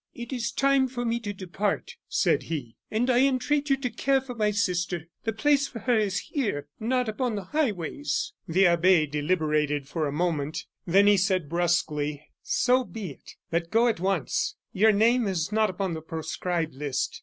"It is time for me to depart," said he, "and I entreat you to care for my sister, the place for her is here, not upon the highways." The abbe deliberated for a moment, then he said, brusquely: "So be it; but go at once; your name is not upon the proscribed list.